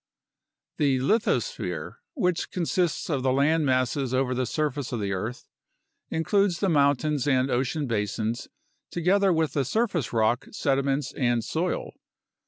The lithosphere, which consists of the land masses over the surface of the earth, includes the mountains and ocean basins, together with the surface rock, sediments, and soil.